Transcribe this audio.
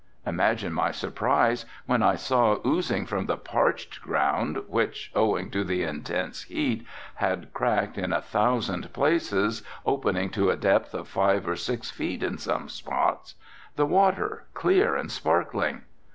Imagine my surprise when I saw oozing from the parched ground, which, owing to the intense heat, had cracked in a thousand places, opening to a depth of five or six feet in some spots, the water, clear and sparkling.